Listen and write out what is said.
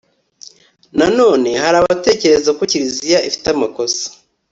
nanone hari abatekereza ko kiliziya ifite amakosa